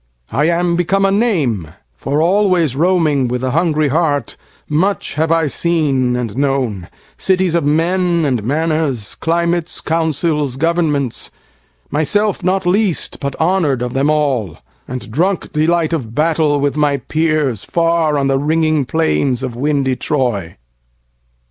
I am become a name; For always roaming with a hungry heartMuch have I seen and known: cities of menAnd manners, climates, councils, governments, Myself not least, but honor'd of them all; And drunk delight of battle with my peers, Far on the ringing plains of windy Troy.